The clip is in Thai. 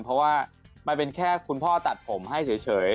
เพราะว่ามันเป็นแค่คุณพ่อตัดผมให้เฉย